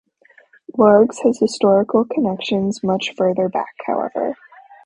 Largs has historical connections much further back, however.